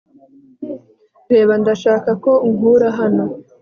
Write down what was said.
reba, ndashaka ko unkura hano